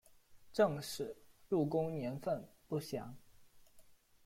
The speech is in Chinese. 郑氏入宫年份不详。